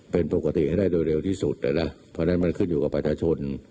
เป็นปกติให้ได้โดยเร็วที่สุดนะเพราะฉะนั้นมันขึ้นอยู่กับประชาชน